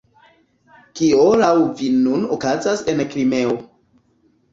Kio laŭ vi nun okazas en Krimeo?